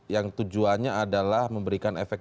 yang tujuannya adalah memberikan efek